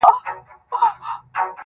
په سپورمۍ كي ستا تصوير دى~